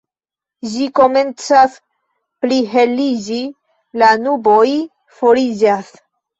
Ĝi komencas pliheliĝi, la nuboj foriĝas.